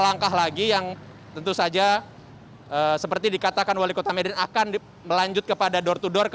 langkah lagi yang tentu saja seperti dikatakan wali kota medan akan melanjut kepada door to door